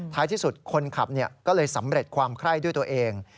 ที่สุดคนขับก็เลยสำเร็จความไคร้ด้วยตัวเอง